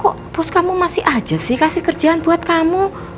kok bos kamu masih aja sih kasih kerjaan buat kamu